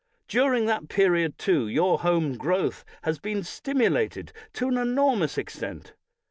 During that period, too, your home growth has been stimulated to an enor mous extent.